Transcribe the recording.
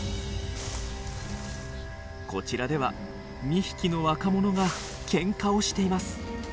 こちらでは２匹の若者がけんかをしています。